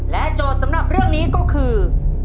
โจทย์สำหรับเรื่องนี้ก็คือ